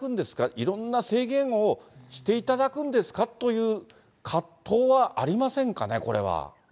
いろんな制限をしていただくんですか？という葛藤はありませんかね、これは。